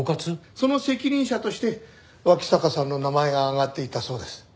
その責任者として脇坂さんの名前が挙がっていたそうです。